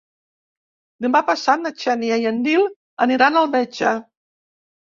Demà passat na Xènia i en Nil aniran al metge.